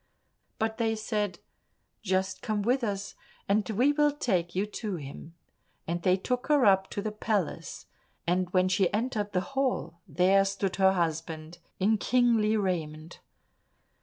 But they said, "Just come with us, and we will take you to him," and they took her up to the palace, and when she entered the hall, there stood her husband in kingly raiment.